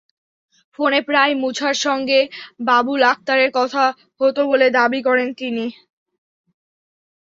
ফোনে প্রায়ই মুছার সঙ্গে বাবুল আক্তারের কথা হতো বলে দাবি করেন তিনি।